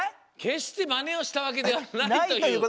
けっしてマネをしたわけではないという。